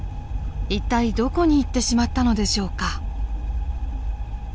一体どこに行ってしまったのでしょうか。